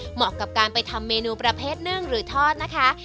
เหมาะกับการไปทำเมนูประเภทนึ่งหรือทอดนะคะ